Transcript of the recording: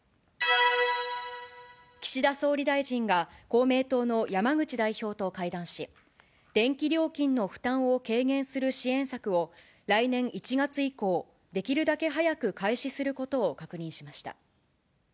岸田総理大臣が公明党の山口代表と会談し、電気料金の負担を軽減する支援策を、来年１月以降、できるだけ早く開始することを確認しました。